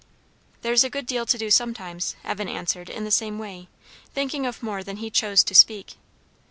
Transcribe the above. "There's a good deal to do sometimes," Evan answered in the same way, thinking of more than he chose to speak.